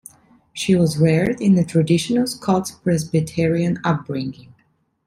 She was reared in a traditional Scots Presbyterian upbringing.